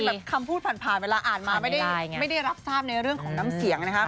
คำพูดผ่านเวลาอ่านมาไม่ได้รับทราบในเรื่องของน้ำเสียงนะครับ